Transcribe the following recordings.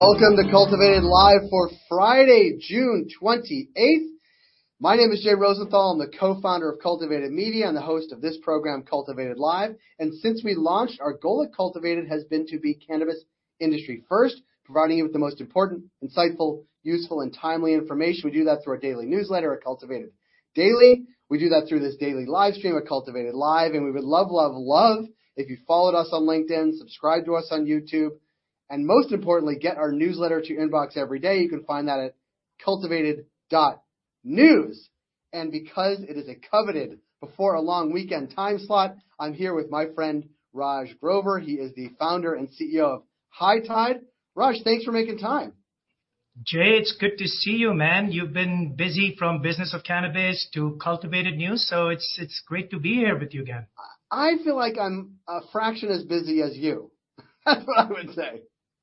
Welcome to Cultivated Live for Friday, June 28th. My name is Jay Rosenthal. I'm the co-founder of Cultivated Media and the host of this program, Cultivated Live. Since we launched, our goal at Cultivated has been to be cannabis industry first, providing you with the most important, insightful, useful, and timely information. We do that through our daily newsletter at Cultivated Daily. We do that through this daily live stream at Cultivated Live, and we would love if you followed us on LinkedIn, subscribe to us on YouTube, and most importantly, get our newsletter to your inbox every day. You can find that at cultivated.news. Because it is a coveted before a long weekend time slot, I'm here with my friend Raj Grover. He is the founder and CEO of High Tide. Raj, thanks for making time. Jay, it's good to see you, man. You've been busy from Business of Cannabis to Cultivated News, it's great to be here with you again. I feel like I'm a fraction as busy as you. That's what I would say.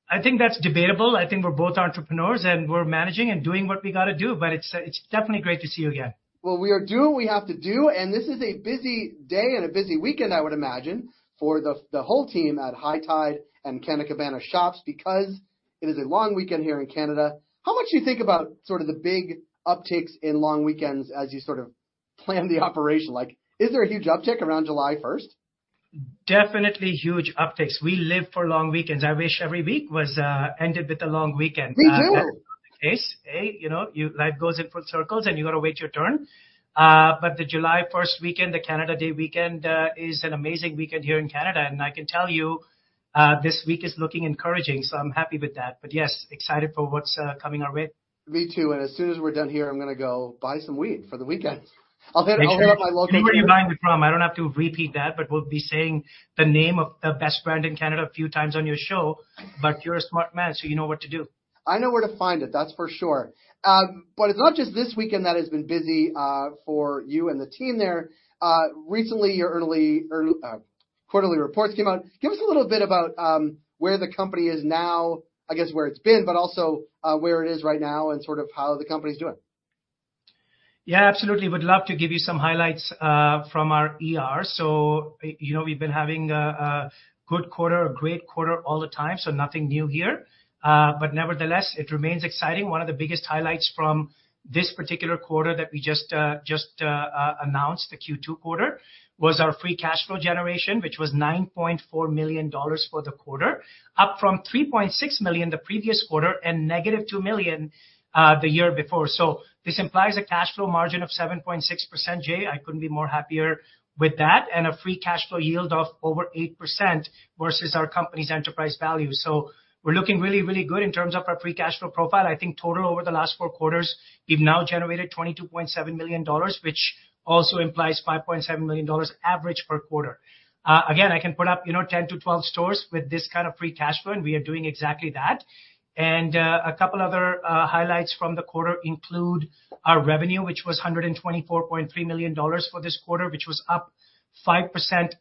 I think that's debatable. I think we're both entrepreneurs, and we're managing and doing what we got to do, but it's definitely great to see you again. Well, we are doing what we have to do, and this is a busy day and a busy weekend I would imagine, for the whole team at High Tide and Canna Cabana shops because it is a long weekend here in Canada. How much do you think about the big upticks in long weekends as you plan the operation? Is there a huge uptick around July 1st? Definitely huge upticks. We live for long weekends. I wish every week ended with a long weekend. Me too. That's not the case. Hey, life goes in full circles, and you got to wait your turn. The July 1st weekend, the Canada Day weekend, is an amazing weekend here in Canada, and I can tell you, this week is looking encouraging, so I'm happy with that. Yes, excited for what's coming our way. Me too, and as soon as we're done here, I'm going to go buy some weed for the weekend. I'll hit up my local- You know where you're buying it from. I don't have to repeat that, but we'll be saying the name of the best brand in Canada a few times on your show. You're a smart man, so you know what to do. I know where to find it, that's for sure. It's not just this weekend that has been busy for you and the team there. Recently, your quarterly reports came out. Give us a little bit about where the company is now, I guess where it's been, but also where it is right now and how the company's doing. Yeah, absolutely. Would love to give you some highlights from our ER. We've been having a good quarter, a great quarter all the time, nothing new here. Nevertheless, it remains exciting. One of the biggest highlights from this particular quarter that we just announced, the Q2 quarter, was our free cash flow generation, which was 9.4 million dollars for the quarter, up from 3.6 million the previous quarter, and negative 2 million the year before. This implies a cash flow margin of 7.6%, Jay. I couldn't be more happier with that, and a free cash flow yield of over 8% versus our company's enterprise value. We're looking really good in terms of our free cash flow profile. I think total over the last four quarters, we've now generated 22.7 million dollars, which also implies 5.7 million dollars average per quarter. I can put up 10 to 12 stores with this kind of free cash flow. We are doing exactly that. A couple other highlights from the quarter include our revenue, which was 124.3 million dollars for this quarter, which was up 5%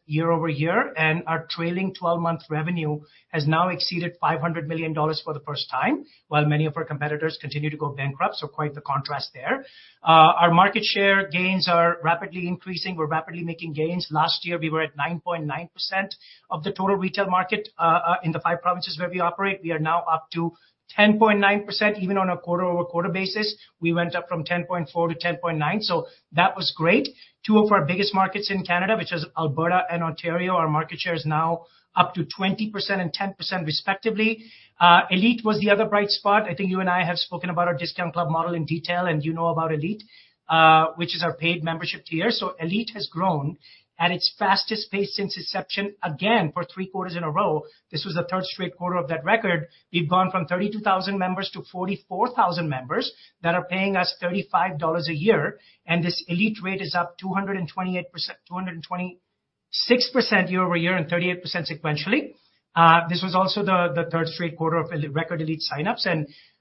year-over-year. Our trailing 12-month revenue has now exceeded 500 million dollars for the first time, while many of our competitors continue to go bankrupt. Quite the contrast there. Our market share gains are rapidly increasing. We're rapidly making gains. Last year, we were at 9.9% of the total retail market in the five provinces where we operate. We are now up to 10.9%, even on a quarter-over-quarter basis. We went up from 10.4% to 10.9%. That was great. Two of our biggest markets in Canada, which is Alberta and Ontario, our market share is now up to 20% and 10% respectively. ELITE was the other bright spot. I think you and I have spoken about our discount club model in detail, and you know about ELITE, which is our paid membership tier. ELITE has grown at its fastest pace since inception, again, for three quarters in a row. This was the third straight quarter of that record. We've gone from 32,000 members to 44,000 members that are paying us 35 dollars a year, this ELITE rate is up 226% year-over-year and 38% sequentially. This was also the third straight quarter of record ELITE sign-ups.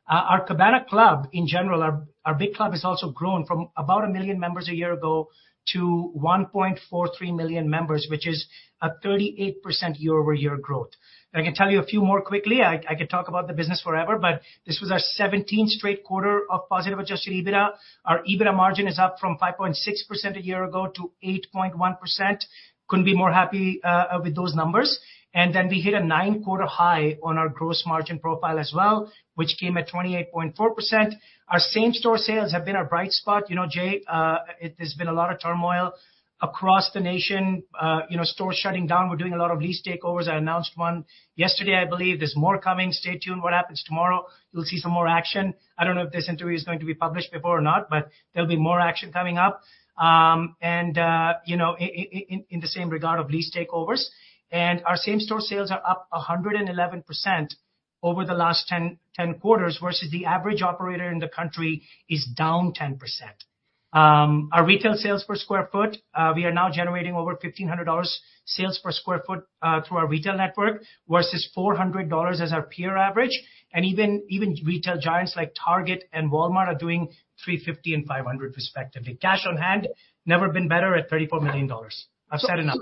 Our Cabana Club in general, our big club, has also grown from about 1 million members a year ago to 1.43 million members, which is a 38% year-over-year growth. I can tell you a few more quickly. I could talk about the business forever. This was our 17th straight quarter of positive adjusted EBITDA. Our EBITDA margin is up from 5.6% a year ago to 8.1%. Couldn't be more happy with those numbers. We hit a nine-quarter high on our gross margin profile as well, which came at 28.4%. Our same store sales have been our bright spot. You know Jay, there's been a lot of turmoil across the nation, stores shutting down. We're doing a lot of lease takeovers. I announced one yesterday, I believe. There's more coming. Stay tuned. What happens tomorrow, you'll see some more action. I don't know if this interview is going to be published before or not, but there'll be more action coming up, in the same regard of lease takeovers. Our same store sales are up 111% over the last 10 quarters, versus the average operator in the country is down 10%. Our retail sales per square foot, we are now generating over 1,500 dollars sales per square foot through our retail network, versus 400 dollars as our peer average. Even retail giants like Target and Walmart are doing 350 and 500 respectively. Cash on hand, never been better at 34 million dollars. I've said enough.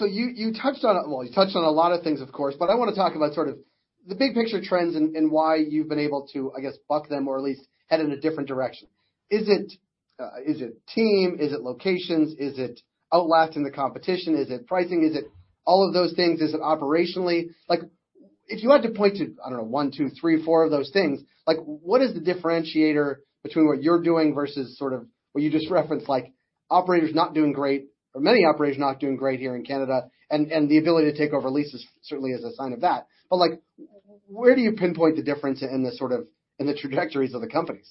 You touched on, well, you touched on a lot of things, of course, but I want to talk about the big picture trends and why you've been able to, I guess, buck them or at least head in a different direction. Is it team? Is it locations? Is it outlasting the competition? Is it pricing? Is it all of those things? Is it operationally? If you had to point to, I don't know, one, two, three, four of those things, what is the differentiator between what you're doing versus what you just referenced, like operators not doing great, or many operators not doing great here in Canada, and the ability to take over leases certainly is a sign of that. Where do you pinpoint the difference in the trajectories of the companies?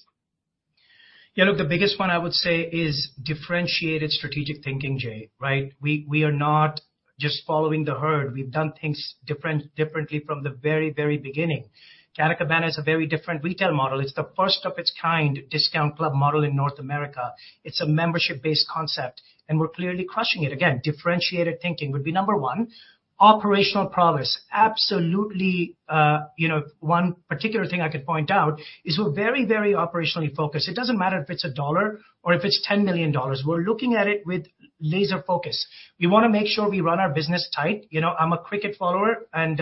Yeah, look, the biggest one I would say is differentiated strategic thinking, Jay. Right? We are not just following the herd. We've done things differently from the very beginning. Canna Cabana is a very different retail model. It's the first of its kind discount club model in North America. It's a membership-based concept, and we're clearly crushing it. Again, differentiated thinking would be number one. Operational prowess. Absolutely, one particular thing I could point out is we're very operationally focused. It doesn't matter if it's a dollar or if it's 10 million dollars. We're looking at it with laser focus. We want to make sure we run our business tight. I'm a cricket follower, and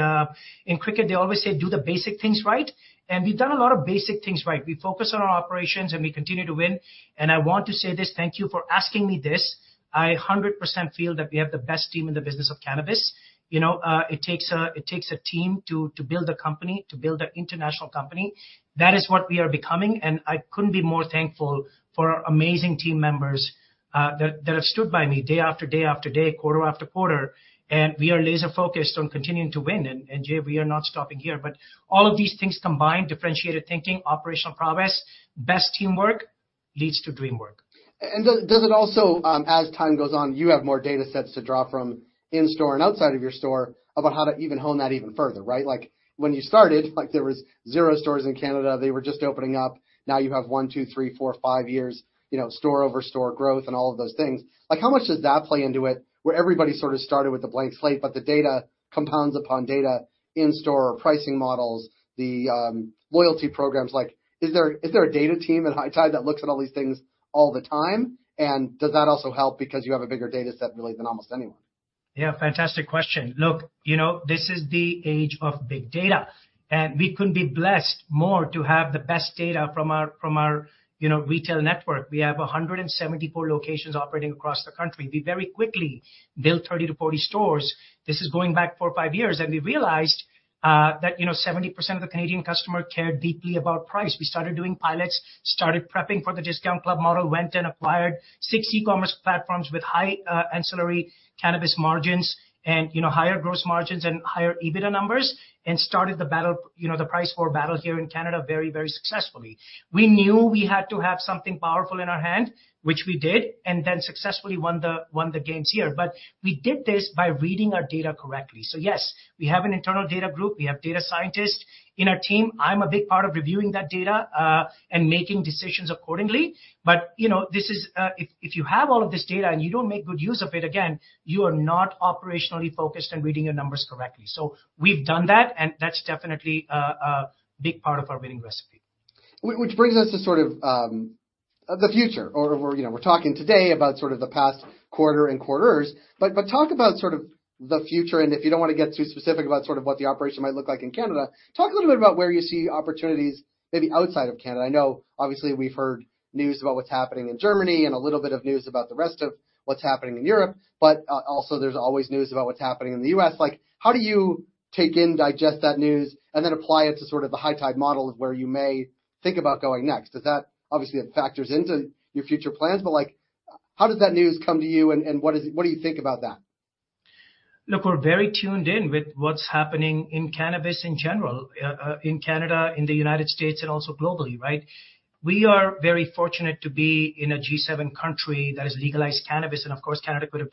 in cricket they always say, do the basic things right, and we've done a lot of basic things right. We focus on our operations and we continue to win. I want to say this, thank you for asking me this. I 100% feel that we have the best team in the business of cannabis. It takes a team to build a company, to build an international company. That is what we are becoming. I couldn't be more thankful for our amazing team members that have stood by me day after day after day, quarter after quarter. We are laser focused on continuing to win, Jay, we are not stopping here. All of these things combined, differentiated thinking, operational prowess, best teamwork, leads to dream work. Does it also, as time goes on, you have more data sets to draw from in store and outside of your store about how to even hone that even further, right? Like when you started, there was zero stores in Canada. They were just opening up. Now you have one, two, three, four, five years, store over store growth and all of those things. How much does that play into it, where everybody sort of started with the blank slate, but the data compounds upon data in store, pricing models, the loyalty programs. Is there a data team at High Tide that looks at all these things all the time, and does that also help because you have a bigger data set really than almost anyone? Yeah, fantastic question. Look, this is the age of big data. We couldn't be blessed more to have the best data from our retail network. We have 174 locations operating across the country. We very quickly built 30 to 40 stores. This is going back four or five years. We realized that 70% of the Canadian customer cared deeply about price. We started doing pilots, started prepping for the discount club model, went and acquired six e-commerce platforms with high ancillary cannabis margins and higher gross margins and higher EBITDA numbers. Started the price war battle here in Canada very, very successfully. We knew we had to have something powerful in our hand, which we did. Then successfully won the games here. We did this by reading our data correctly. Yes, we have an internal data group. We have data scientists in our team. I'm a big part of reviewing that data, and making decisions accordingly. If you have all of this data and you don't make good use of it, again, you are not operationally focused and reading your numbers correctly. We've done that, and that's definitely a big part of our winning recipe. Which brings us to the future, or we're talking today about the past quarter and quarters, but talk about the future, and if you don't want to get too specific about what the operation might look like in Canada, talk a little bit about where you see opportunities maybe outside of Canada. I know obviously we've heard news about what's happening in Germany and a little bit of news about the rest of what's happening in Europe, but also there's always news about what's happening in the U.S. How do you take in, digest that news, and then apply it to the High Tide model of where you may think about going next? Does that obviously it factors into your future plans, but how does that news come to you and what do you think about that? Look, we're very tuned in with what's happening in cannabis in general, in Canada, in the U.S., and also globally, right? We are very fortunate to be in a G7 country that has legalized cannabis, and of course, Canada could have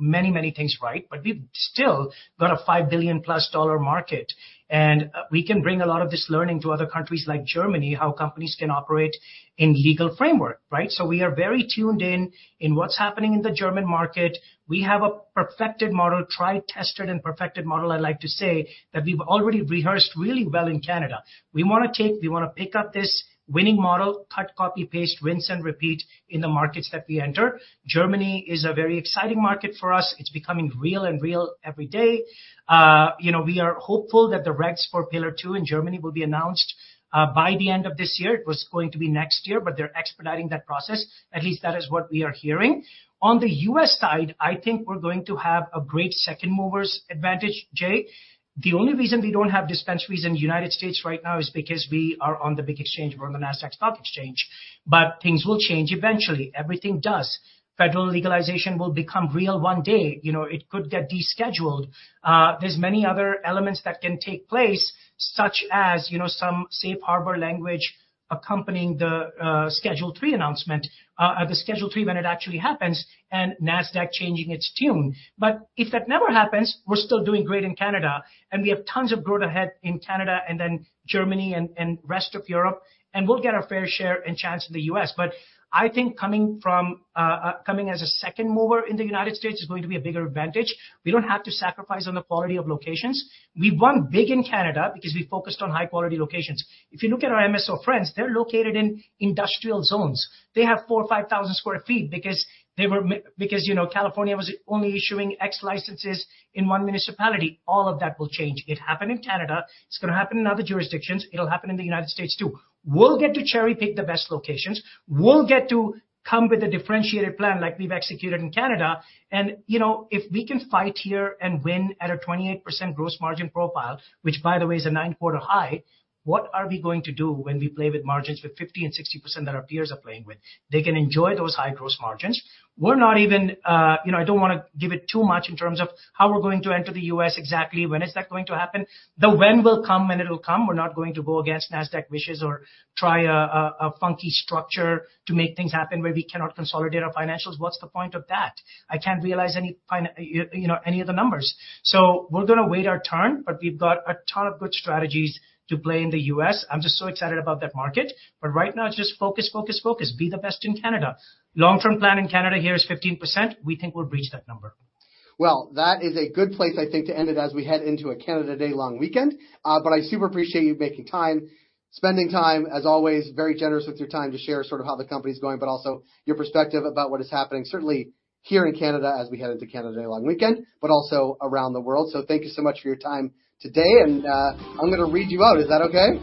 done many, many things right. We've still got a 5 billion dollar plus market, and we can bring a lot of this learning to other countries like Germany, how companies can operate in legal framework, right? We are very tuned in what's happening in the German market. We have a perfected model, tried, tested, and perfected model, I'd like to say, that we've already rehearsed really well in Canada. We want to pick up this winning model, cut, copy, paste, rinse and repeat in the markets that we enter. Germany is a very exciting market for us. It's becoming real and real every day. We are hopeful that the regs for Pillar 2 in Germany will be announced by the end of this year. It was going to be next year, but they're expediting that process. At least that is what we are hearing. On the U.S. side, I think we're going to have a great second mover's advantage, Jay. The only reason we don't have dispensaries in the United States right now is because we are on the big exchange. We're on the Nasdaq Stock Market. Things will change eventually. Everything does. Federal legalization will become real one day. It could get descheduled. There's many other elements that can take place, such as some safe harbor language accompanying the Schedule III announcement, the Schedule III when it actually happens, and Nasdaq changing its tune. If that never happens, we're still doing great in Canada, and we have tons of growth ahead in Canada and then Germany and rest of Europe, and we'll get our fair share and chance in the U.S. I think coming as a second mover in the United States is going to be a bigger advantage. We don't have to sacrifice on the quality of locations. We won big in Canada because we focused on high-quality locations. If you look at our MSO friends, they're located in industrial zones. They have 4,000 or 5,000 square feet because California was only issuing X licenses in one municipality. All of that will change. It happened in Canada. It's going to happen in other jurisdictions. It'll happen in the United States, too. We'll get to cherry-pick the best locations. We'll get to come with a differentiated plan like we've executed in Canada, and if we can fight here and win at a 28% gross margin profile, which by the way is a nine-quarter high, what are we going to do when we play with margins with 50% and 60% that our peers are playing with? They can enjoy those high gross margins. I don't want to give it too much in terms of how we're going to enter the U.S., exactly when is that going to happen. The when will come when it'll come. We're not going to go against Nasdaq wishes or try a funky structure to make things happen where we cannot consolidate our financials. What's the point of that? I can't realize any of the numbers. We're going to wait our turn, but we've got a ton of good strategies to play in the U.S. I'm just so excited about that market. Right now, just focus, focus. Be the best in Canada. Long-term plan in Canada here is 15%. We think we'll reach that number. That is a good place, I think, to end it as we head into a Canada Day long weekend. I super appreciate you making time, spending time. As always, very generous with your time to share how the company's going, but also your perspective about what is happening, certainly here in Canada as we head into Canada Day long weekend, but also around the world. Thank you so much for your time today, and I'm going to read you out. Is that okay?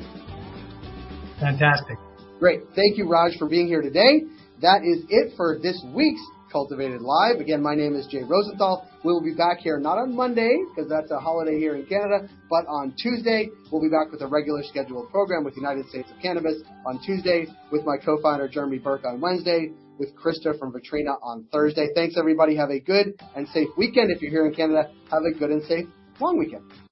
Fantastic. Great. Thank you, Raj, for being here today. That is it for this week's Cultivated Live. Again, my name is Jay Rosenthal. We'll be back here, not on Monday because that's a holiday here in Canada, but on Tuesday, we'll be back with a regular scheduled program with United States of Cannabis on Tuesday, with my co-founder Jeremy Berke on Wednesday, with Krista from Vetrina on Thursday. Thanks, everybody. Have a good and safe weekend. If you're here in Canada, have a good and safe long weekend.